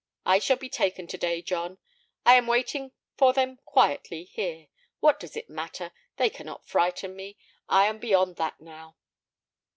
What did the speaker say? I shall be taken to day, John; I am waiting for them quietly here. What does it matter! They cannot frighten me; I am beyond that now."